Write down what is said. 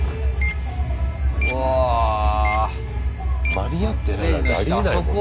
間に合ってないってありえないもんね。